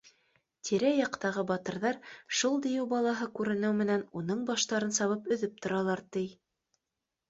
Тирә-яҡтағы батырҙар, шул дейеү балаһы күренеү менән, уның баштарын сабып өҙөп торалар, ти